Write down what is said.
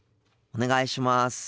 お願いします。